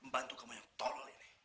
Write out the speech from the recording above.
bantu kamu yang tolong ini